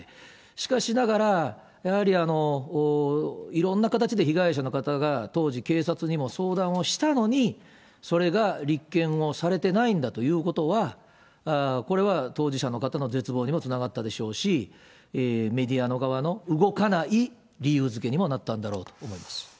しかしながら、やはりいろんな形で被害者の方が当時、警察にも相談をしたのに、それが立件をされてないんだということは、これは当事者の方の絶望にもつながったでしょうし、メディアの側の動かない理由付けにもなったんだろうと思います。